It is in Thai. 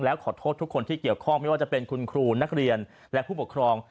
แล้วขอโทษทุกคนที่เกี่ยวข้องไม่ว่าจะเป็นคุณครูนักเรียนและผู้ปกครอง